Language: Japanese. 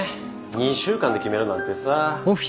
２週間で決めろなんてさ。